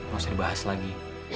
gak usah dibahas lagi